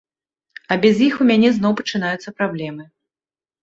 А без іх у мяне зноў пачынаюцца праблемы.